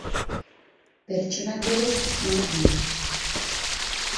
Pertsonak berez onak dira.